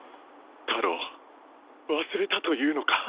タロウ忘れたというのか？